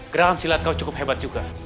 ground silat kau cukup hebat juga